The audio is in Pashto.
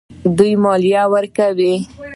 دوی مالیه ورکوي.